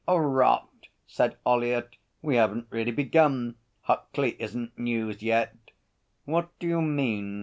'Rot!' said Ollyett. 'We haven't really begun. Huckley isn't news yet.' 'What do you mean?'